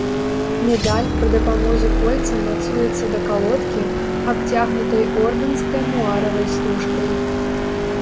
Медаль пры дапамозе кольца мацуецца да калодкі, абцягнутай ордэнскай муаравай стужкай.